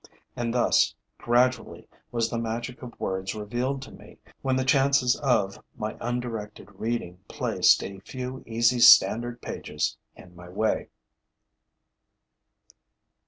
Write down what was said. And thus, gradually, was the magic of words revealed to me, when the chances of, my undirected reading placed a few easy standard pages in my way.